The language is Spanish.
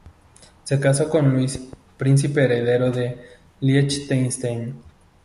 Se casó con Luis, príncipe heredero de Liechtenstein.